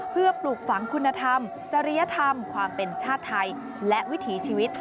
เพื่อปลูกฝังคุณธรรมจริยธรรมความเป็นชาติไทยและวิถีชีวิต